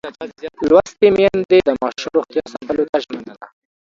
لوستې میندې د ماشوم روغتیا ساتلو ته ژمنه ده.